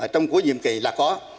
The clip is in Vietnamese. trong cuối nhiệm kỳ là có